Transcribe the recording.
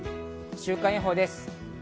週間予報です。